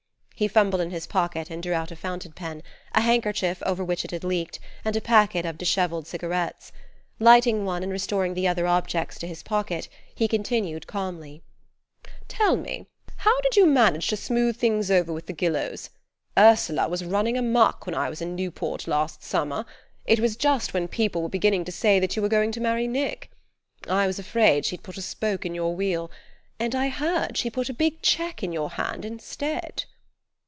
He fumbled in his pocket and drew out a fountain pen, a handkerchief over which it had leaked, and a packet of dishevelled cigarettes. Lighting one, and restoring the other objects to his pocket, he continued calmly: "Tell me how did you manage to smooth things over with the Gillows? Ursula was running amuck when I was in Newport last Summer; it was just when people were beginning to say that you were going to marry Nick. I was afraid she'd put a spoke in your wheel; and I hear she put a big cheque in your hand instead."